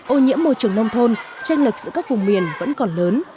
ô nhiễm môi trường nông thôn tranh lực giữa các vùng miền vẫn còn lớn